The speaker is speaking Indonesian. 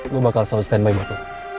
gue bakal selalu stand by buat lo